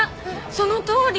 そのとおり！